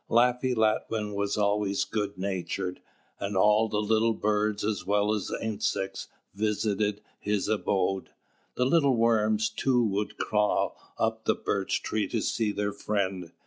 Laffy Latwin was always good natured; and all the little birds as well as insects visited his abode. The little worms too would crawl up the birch tree to see their friend.